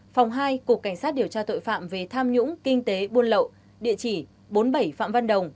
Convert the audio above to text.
phòng hai cục cảnh sát điều tra tội phạm về tham nhũng kinh tế buôn lậu địa chỉ bốn mươi bảy phạm văn đồng